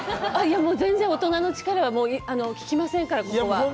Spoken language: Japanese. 全然、大人の力は聞きませんから、ここは。